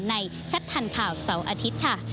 ชัดทันข่าวเสาร์อาทิตย์ค่ะ